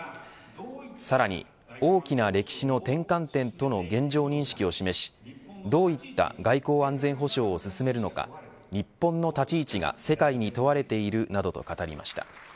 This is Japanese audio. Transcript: さらに大きな歴史の転換点との現状認識を示しどういった外交安全保障を進めるのか日本の立ち位置が世界に問われているなどと語りました。